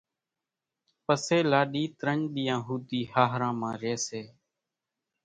پسي لاڏِي ترڃ ۮيئان ۿوُڌِي ۿاۿران مان ريئيَ سي۔